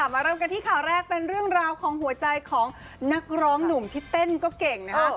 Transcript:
เริ่มกันที่ข่าวแรกเป็นเรื่องราวของหัวใจของนักร้องหนุ่มที่เต้นก็เก่งนะคะ